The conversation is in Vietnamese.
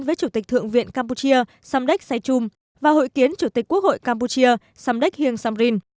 với chủ tịch thượng viện campuchia samdech saychum và hội kiến chủ tịch quốc hội campuchia samdech hương samrin